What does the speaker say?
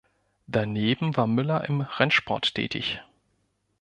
Daneben war Müller im Rennsport tätig.